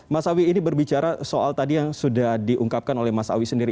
mas awi ini berbicara soal tadi yang sudah diungkapkan oleh mas awi sendiri